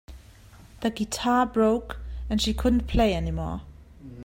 The guitar broke and she couldn't play anymore.